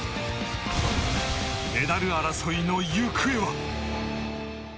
メダル争いの行方は？